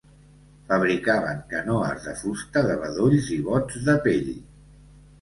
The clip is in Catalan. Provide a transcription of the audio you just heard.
Fabricaven canoes de fusta de bedolls i bots de pell.